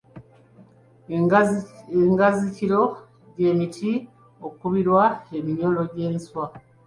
Enganzikiro gye miti okukubirwa eminyoro gy’enswa.